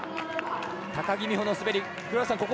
高木美帆の滑り。